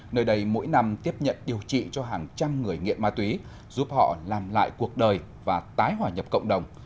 nơi đây mỗi năm tiếp nhận điều trị cho hàng trăm người nghiện ma túy giúp họ làm lại cuộc đời và tái hòa nhập cộng đồng